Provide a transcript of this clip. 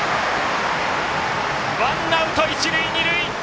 ワンアウト、一塁二塁！